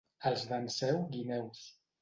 Els d'Enseu, guineus.